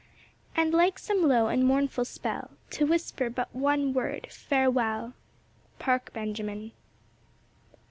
"And, like some low and mournful spell, To whisper but one word farewell." PARK BENJAMIN.